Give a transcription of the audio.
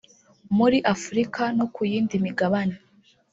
muri Afurika no ku yindi migabane